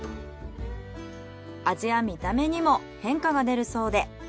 味や見た目にも変化が出るそうで。